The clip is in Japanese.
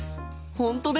本当ですか？